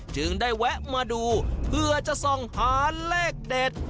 จึงได้แวะมาดูเพื่อจะส่องหาเลขเด็ด